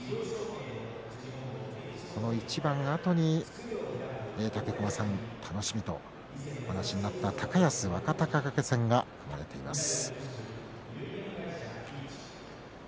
この一番あとに武隈さんが楽しみという話になった高安、若隆景戦が組まれています。